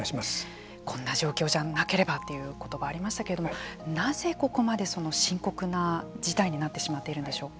こんな状況じゃなければということがありましたけれどもなぜここまで深刻な事態になってしまっているんでしょうか。